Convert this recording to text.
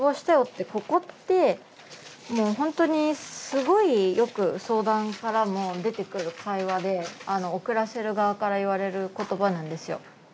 ここってもう本当にすごいよく相談からも出てくる会話で送らせる側から言われる言葉なんですよ。